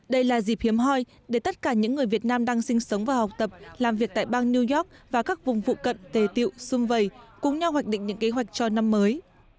đây là dịp hiếm hoi để tất cả những người việt nam đang sinh sống và học tập làm việc tại bang new york và các vùng phụ cận tề tiệu xung vầy cùng nhau hoạch định những kế hoạch cho năm mới